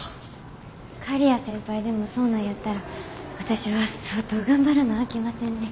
刈谷先輩でもそうなんやったら私は相当頑張らなあきませんね。